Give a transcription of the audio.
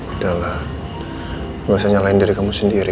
udah lah gak usah nyalahin diri kamu sendiri